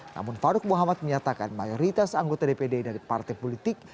namun farouk muhammad menyatakan mayoritas anggota dpd dari partai politik